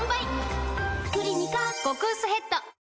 「クリニカ」極薄ヘッド